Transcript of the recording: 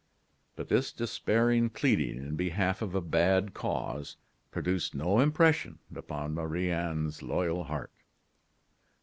But this despairing pleading in behalf of a bad cause produced no impression upon Marie Anne's loyal heart.